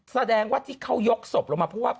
แสดงว่าที่เขายกศพลงมาเพราะว่า